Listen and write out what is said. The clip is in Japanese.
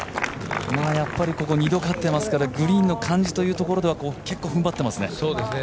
やっぱりここ２度勝ってますからグリーンの感じというところは結構踏ん張ってますね。